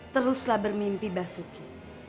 teruslah bermimpi mbak sukti